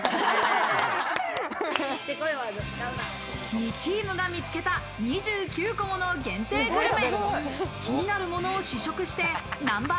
２チームが見つけた２９個もの限定グルメ。